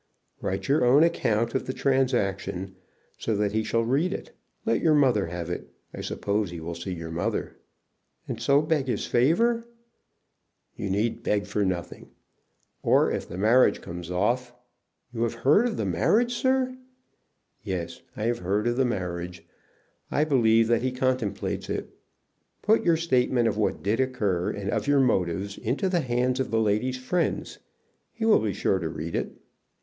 "Write your own account of the transaction, so that he shall read it. Let your mother have it. I suppose he will see your mother." "And so beg his favor." "You need beg for nothing. Or if the marriage comes off " "You have heard of the marriage, sir?" "Yes; I have heard of the marriage. I believe that he contemplates it. Put your statement of what did occur, and of your motives, into the hands of the lady's friends. He will be sure to read it."